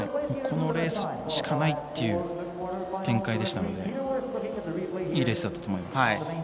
このレースしかないという展開でしたのでいいレースだったと思います。